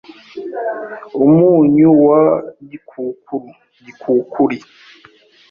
Umunyu wa gikukuru/gikukuri